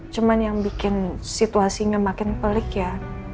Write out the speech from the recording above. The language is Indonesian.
cuma yang bikin situasinya makin pelik ya